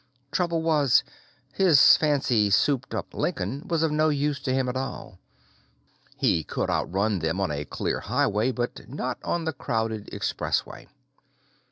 Trouble was, his fancy, souped up Lincoln was of no use to him at all. He could outrun them on a clear highway but not on the crowded Expressway.